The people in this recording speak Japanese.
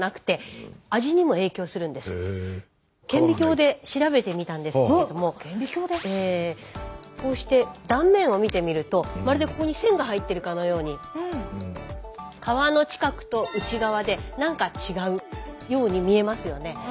顕微鏡で調べてみたんですけれどもこうして断面を見てみるとまるでここに線が入ってるかのように皮の近くと内側でなんか違うように見えますよね。